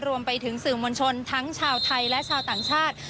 รวมไปถึงสื่อมวลชนทั้งชาวไทยและชาวต่างชาติ